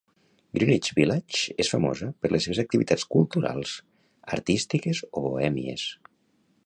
Greenwich Village és famosa per les seves activitats culturals, artístiques o bohèmies.